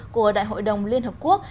của đại hội đồng liên hợp quốc